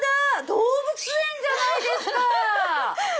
動物園じゃないですか！